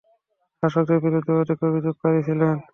শাসকদের বিরুদ্ধে অধিক অভিযোগকারী ছিল।